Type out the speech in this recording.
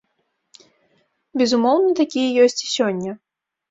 Безумоўна, такія ёсць і сёння.